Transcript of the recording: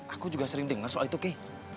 aku juga sering dengar soal itu ki